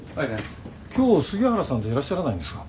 今日杉原さんっていらっしゃらないんですか？